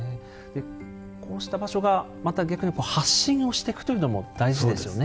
こうした場所がまた逆に発信をしてくというのも大事ですよね。